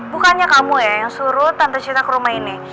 bukannya kamu ya yang suruh tante citra ke rumah ini